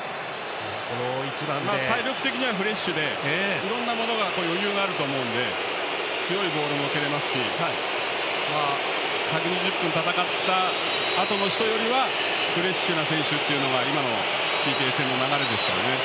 体力的にフレッシュで余裕があると思うので強いボールも蹴れますし１２０分戦ったあとの人よりはフレッシュな選手というのが今のＰＫ戦の流れですね。